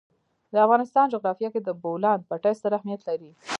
د افغانستان جغرافیه کې د بولان پټي ستر اهمیت لري.